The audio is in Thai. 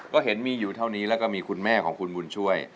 ก็เห็นมีอยู่เท่านี้แล้วก็มีคุณแม่ของคุณบุญช่วย